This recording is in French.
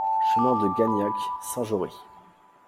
CHEMIN DE GAGNAC, Saint-Jory